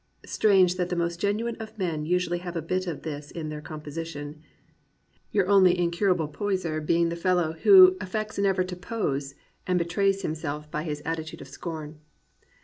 Strange that the most genuine of men usually have a bit of this in their composi tion; your only incurable poseur being the fellow 359 COMPANIONABLE BOOKS who affects never to pose and betrays himself by his attitude of scorn.